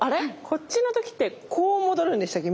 こっちの時ってこう戻るんでしたっけ？